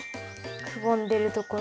くぼんでるところ？